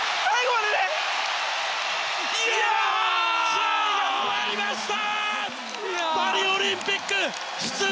試合が終わりました！